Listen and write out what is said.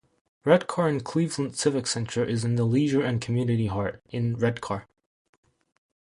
Redcar and Cleveland Civic Centre is in the Leisure and Community Heart, in Redcar.